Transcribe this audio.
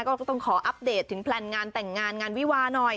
ก็ต้องขออัปเดตถึงแพลนงานแต่งงานงานวิวาหน่อย